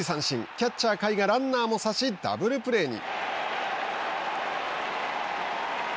キャッチャー甲斐がランナーも刺しダブルプレーに。